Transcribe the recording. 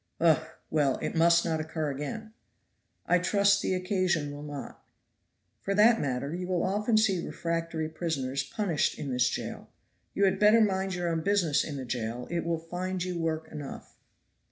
"Ugh! Well, it must not occur again." "I trust the occasion will not." "For that matter, you will often see refractory prisoners punished in this jail. You had better mind your own business in the jail, it will find you work enough."